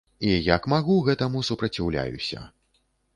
І як магу гэтаму супраціўляюся.